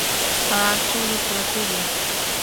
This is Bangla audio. আর, চুরি তো চুরিই।